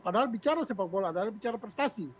padahal bicara sepak bola adalah bicara prestasi